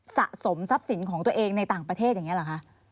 สะสมทรัพย์สินของตัวเองในต่างประเทศอย่างนี้เหรอคะ